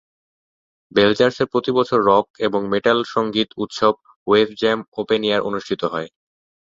বেলজার্সে প্রতি বছর রক এবং মেটাল সঙ্গীত উৎসব ওয়েভজাম ওপেনএয়ার অনুষ্ঠিত হয়।